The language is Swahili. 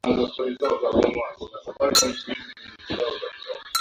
hadi mwaka elfu mbili na mbili alianza elimu ya juu kwa kusoma Stashahada ya